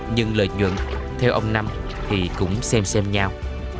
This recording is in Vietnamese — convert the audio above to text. nhưng lợi nhuận theo ông năm thì cũng xem xem nhau